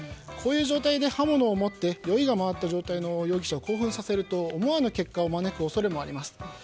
こういう状態で刃物を持って酔いが回った状態の容疑者を興奮させると思わぬ結果を招く恐れがあります。